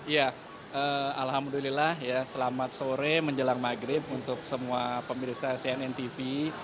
ya alhamdulillah ya selamat sore menjelang maghrib untuk semua pemirsa cnn tv